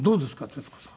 徹子さん。